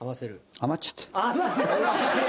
余っちゃった？